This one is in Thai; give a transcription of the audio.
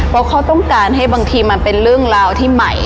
เพราะเขาต้องการให้บางทีมันเป็นเรื่องราวที่ใหม่